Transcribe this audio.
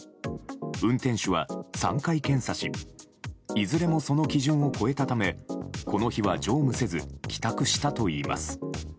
運転手は３回検査し、いずれもその基準を超えたためこの日は乗務せず帰宅したといいます。